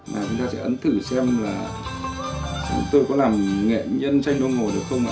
mà chúng ta sẽ ấn thử xem là tôi có làm nghệ nhân tranh đông hồ được không ạ